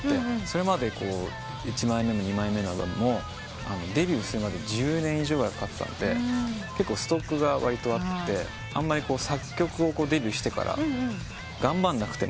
それまで１枚目も２枚目のアルバムもデビューするまで１０年以上ぐらいかかってたんで結構ストックがわりとあってあんまり作曲をデビューしてから頑張んなくてもよかったんです。